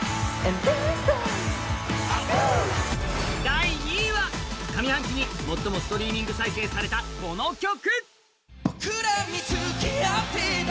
第２位は、上半期に最もストリーミング再生されたこの曲。